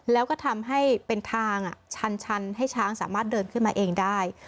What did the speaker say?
แล้วก็ทำให้เป็นทางชันให้ช้างสามารถเดินขึ้นมาเองได้